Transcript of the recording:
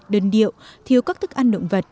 đơn điệu thiếu các thức ăn động vật